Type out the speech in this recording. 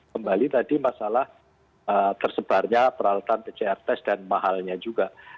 kembali tadi masalah tersebarnya peralatan pcr test dan mahalnya juga